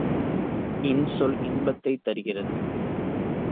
இன்சொல் இன்பத்தைத் தருகிறது.